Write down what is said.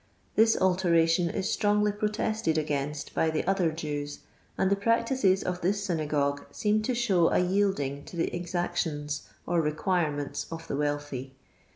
This alteration is strongly protested against by the other Jews, and the practices of this synagogue seem to show a yielding to the exactions or re quirements of the wealthy.